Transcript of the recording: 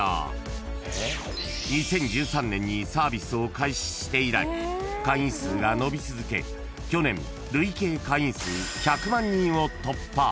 ［２０１３年にサービスを開始して以来会員数が伸び続け去年累計会員数］